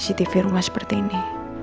cctv rumah seperti ini